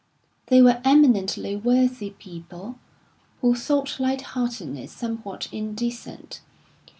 They were eminently worthy people, who thought light heartedness somewhat indecent.